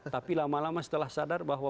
tapi lama lama setelah sadar bahwa